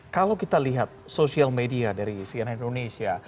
kalau kita lihat social media dariial sianis indonesia